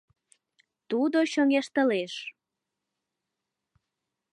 Тудо чоҥештылеш.